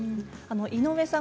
井上さん